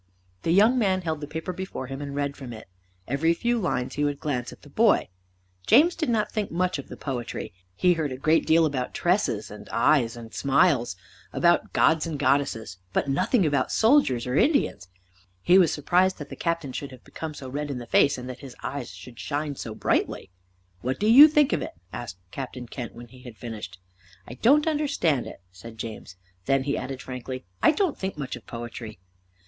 The young man held the paper before him, and read from it. Every few lines he would glance at the boy. James did not think much of the poetry. He heard a great deal about tresses, and eyes, and smiles, about Gods and Goddesses, but nothing about soldiers or Indians. He was surprised that the Captain should have become so red in the face and that his eyes should shine so brightly. "What do you think of it?" asked Captain Kent, when he had finished. "I don't understand it," said James. Then he added frankly, "I don't think much of poetry."